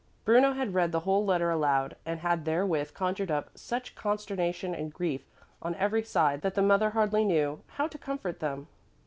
Bruno had read the whole letter aloud and had therewith conjured up such consternation and grief on every side that the mother hardly knew how to comfort them.